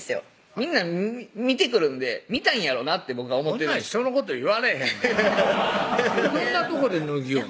みんな見てくるんで見たいんやろなって僕が思ってる人のこと言われへんでどんなとこで脱ぎよんの？